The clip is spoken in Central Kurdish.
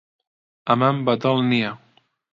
ئەمەم بەدڵ نییە.